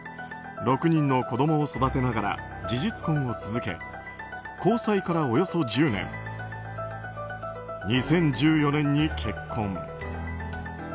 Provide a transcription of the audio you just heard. ６人の子供を育てながら事実婚を続け交際からおよそ１０年２０１４年に結婚。